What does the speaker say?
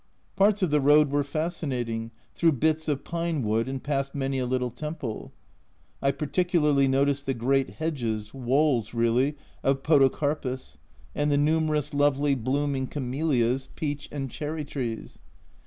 Parts of the road were fascinating, through bits of pine wood and past many a little temple. I particularly noticed the great hedges, walls really, of podocarpus, and the numerous lovely blooming camellias, peach and cherry trees.